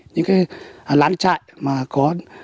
những cái lán trại mà có